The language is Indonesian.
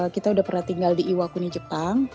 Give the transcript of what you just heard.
kita udah pernah tinggal di iwakuni jepang